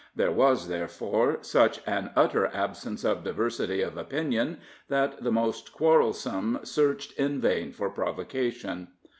There was, therefore, such an utter absence of diversity of opinion, that the most quarrelsome searched in vain for provocation.